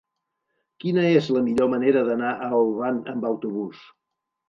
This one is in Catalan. Quina és la millor manera d'anar a Olvan amb autobús?